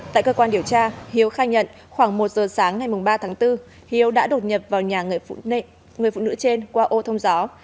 tại cơ quan điều tra hiếu khai nhận khoảng một giờ sáng ngày ba tháng bốn hiếu đã đột nhập vào nhà người phụ nữ trên qua ô thông gió